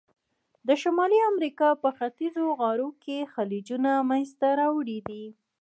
د شمالي امریکا په ختیځو غاړو کې خلیجونه منځته راوړي دي.